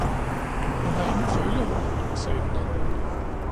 Hun har ingen følehorn!" sagde den anden.